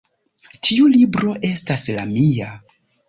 Tiu libro estas la mia